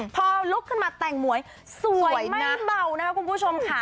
พอลุกขึ้นมาแต่งหมวยสวยไม่เบานะครับคุณผู้ชมค่ะ